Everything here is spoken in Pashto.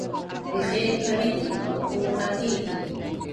ريښې قوي دي او کور غټېږي.